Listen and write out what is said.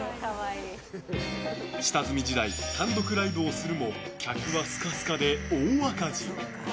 下積み時代、単独ライブをするも客はスカスカで大赤字。